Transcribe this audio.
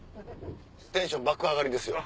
テンション爆上がりですよ。